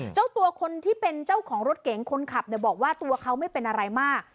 เจ้าตัวคนที่เป็นเจ้าของรถเก๋งคนขับเนี่ยบอกว่าตัวเขาไม่เป็นอะไรมาก